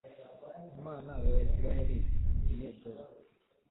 Imana ya Isiraheli; igihe dore!